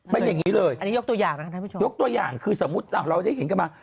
เป็นอย่างนี้เลยยกตัวอย่างคือสมมุติเราได้เห็นกันมา